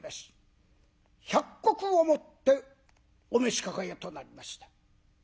１００石をもってお召し抱えとなりました。